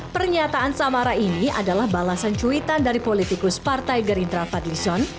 pernyataan samara ini adalah balasan cuitan dari politikus partai gerindra fadlison